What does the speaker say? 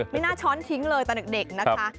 ไม่น่าช้อนทิ้งเลยตอนเด็กนะคะ